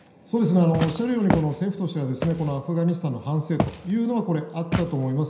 おっしゃるように政府としては、アフガニスタンの反省というのはあったと思います。